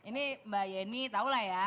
ini mbak yeni tahu lah ya